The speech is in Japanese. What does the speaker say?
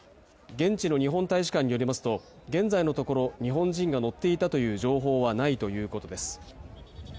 現地の日本大使館によりますと現在のところ日本人が乗っていたという情報はないということです。